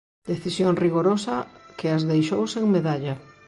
Decisión rigorosa que as deixou sen medalla.